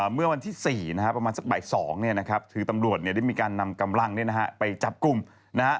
เมื่อวันที่๔ประมาณสักบ่าย๒นะครับถือตำรวจเนี่ยได้มีการนำกำลังไปจับกลุ่มนะฮะ